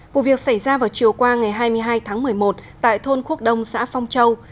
vụ việc xảy ra vào chiều qua ngày hai mươi hai tháng một mươi một tại thôn khuốc đông xã phong châu